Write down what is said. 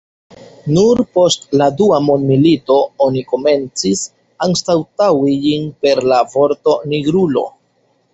Nur post la dua mondmilito oni komencis anstataŭigi ĝin per la vorto "nigrulo".